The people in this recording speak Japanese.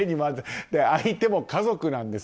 相手も家族なんです。